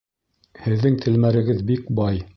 Һеҙҙең телмәрегеҙ бик бай.